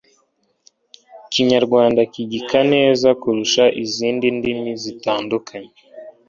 ikinyarwanda kigika neza kurusha izindi ndimi zitandukanye